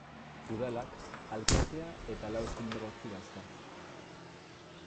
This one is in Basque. Udalak alkatea eta lau zinegotzi dauzka.